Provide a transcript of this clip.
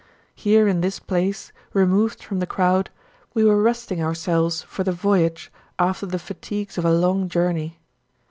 Here in this place, removed from the crowd, we were resting ourselves for the voyage after the fatigues of a long journey.